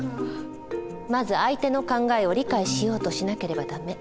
まず相手の考えを理解しようとしなければダメ。